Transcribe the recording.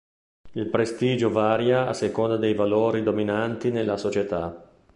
Il prestigio varia a seconda dei valori dominanti nelle società.